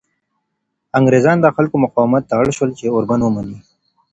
انګریزان د خلکو مقاومت ته اړ شول چې اوربند ومني.